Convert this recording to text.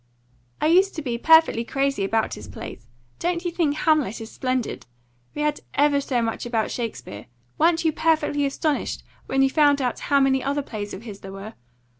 "I used to be perfectly crazy about his plays. Don't you think 'Hamlet' is splendid? We had ever so much about Shakespeare. Weren't you perfectly astonished when you found out how many other plays of his there were?